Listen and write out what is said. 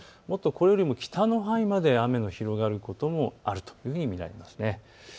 これよりも北の範囲まで雨が広がることもあるというふうに見られます。